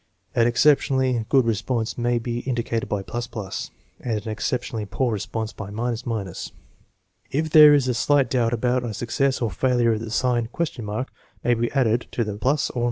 An exceptionally good response may be indicated by ++, and an exceptionally poor re sponse by . If there is a slight doubt about a success or failure the sign ? may be added to the + or